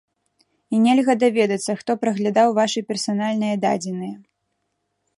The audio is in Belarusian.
І нельга даведацца, хто праглядаў вашы персанальныя дадзеныя.